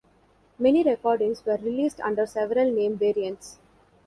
Many recordings were released under several name variants.